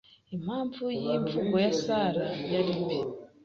Impamvu yʼimvugo ya Sara yari mbi!